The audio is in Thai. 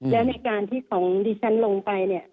แล้วในการที่ของดิฉันลงไปเนี่ย